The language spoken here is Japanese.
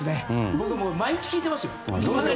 僕、毎日聴いていますよ。